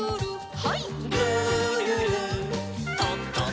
はい。